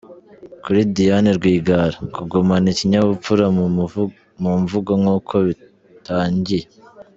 Kuri Diane Rwigara: Kugumana ikinyabupfura mu mvugo nk’uko yabitangiye.